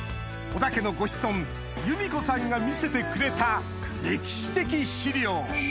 織田家のご子孫裕美子さんが見せてくれた歴史的資料